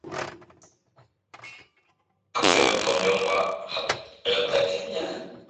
그 신사가 빈 상점을 들여다보고 혹은 이렇게 생각할 수도 있지 않아요?